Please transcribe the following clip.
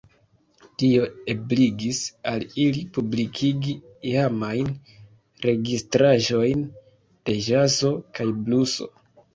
Tio ebligis al ili publikigi iamajn registraĵojn de ĵazo kaj bluso.